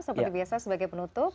seperti biasa sebagai penutup